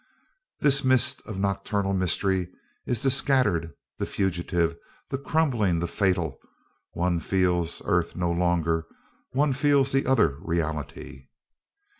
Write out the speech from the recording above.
This mist of nocturnal mystery is the scattered, the fugitive, the crumbling, the fatal; one feels earth no longer, one feels the other reality.